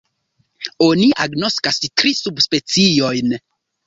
Oni agnoskas tri subspeciojn.